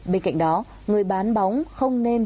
bên cạnh đó người bán bóng không nên